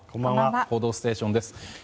「報道ステーション」です。